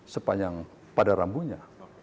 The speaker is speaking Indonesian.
sepanjang pada rambunya